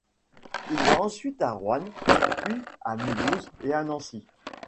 Il va ensuite à Roanne, puis à Mulhouse et à Nancy.